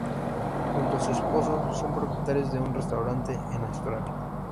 Junto a su esposo son propietarios de un restaurante en Australia.